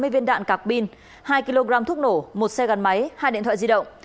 một trăm tám mươi viên đạn cạc pin hai kg thuốc nổ một xe gắn máy hai điện thoại di động